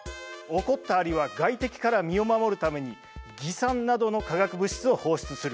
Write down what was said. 怒った蟻は外敵から身を守るために蟻酸などの化学物質を放出する。